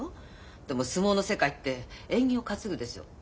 でも相撲の世界って縁起を担ぐでしょ。